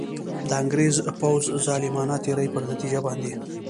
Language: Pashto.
د انګرېز پوځ ظالمانه تېري پر نتیجه باندي.